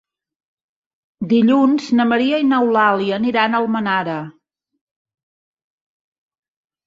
Dilluns na Maria i n'Eulàlia aniran a Almenara.